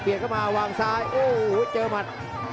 เปลี่ยนเข้ามาวางซ้ายโอ้โหเจอหมัด